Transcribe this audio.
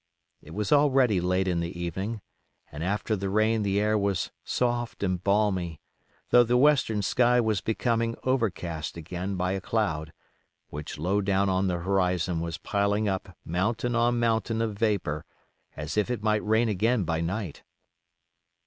It was already late in the evening, and after the rain the air was soft and balmy, though the western sky was becoming overcast again by a cloud, which low down on the horizon was piling up mountain on mountain of vapor, as if it might rain again by night.